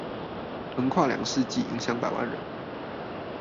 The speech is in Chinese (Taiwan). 橫跨兩世紀，影響百萬人